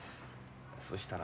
そしたら。